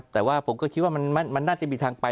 แต่ผมก็คิดมันน่าจะมีทางไป